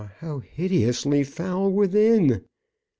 how hideously foul within.